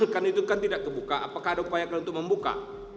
kan itu kan tidak kebuka apakah ada upaya untuk membuka